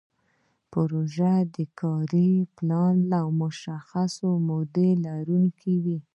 پروژه د کاري پلان او مشخصې مودې لرونکې وي.